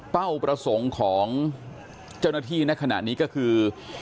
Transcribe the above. เป้าประสงค์ของเจ้าหน้าที่ในขณะนี้ก็คือ